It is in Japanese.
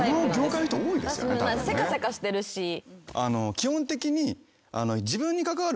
基本的に。